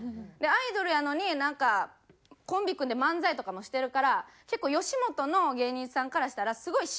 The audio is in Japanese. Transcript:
アイドルやのになんかコンビ組んで漫才とかもしてるから結構吉本の芸人さんからしたらすごい白い目で見られてて。